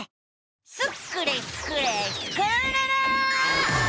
スクれスクれスクるるる！